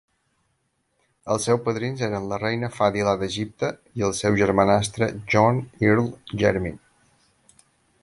Els seus padrins eren la reina Fadila d'Egipte i el seu germanastre John, Earl Jermyn.